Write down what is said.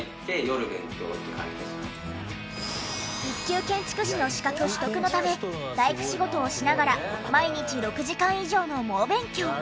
一級建築士の資格取得のため大工仕事をしながら毎日６時間以上の猛勉強！